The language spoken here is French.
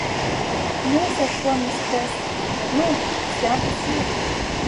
Non, cette fois, mistress, non ! c’est impossible !